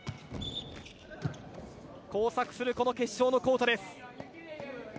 交錯するこの決勝のコートです。